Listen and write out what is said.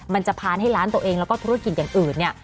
มันจะพานให้ร้านตัวเองแล้วก็ธุรกิจอย่างอื่นเนี่ย